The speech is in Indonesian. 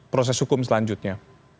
proses hukum selanjutnya